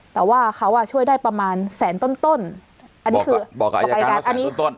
แต่ว่าเขาอ่ะช่วยได้ประมาณแสนต้นต้นอันนี้คือบอกกับอายการว่าแสนต้นต้น